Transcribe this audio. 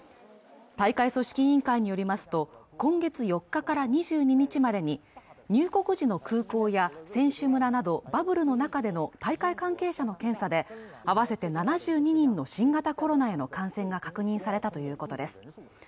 大会組織委員会によりますと今月４日から２２日までに入国時の空港や選手村などバブルの中での大会関係者の検査で合わせて７２人の新型コロナへの感染が確認されたということです